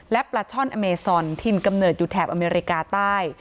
และปลาช่อนอเมซอนถิ่นกำเนิดอยู่แถบอเมริกาใต้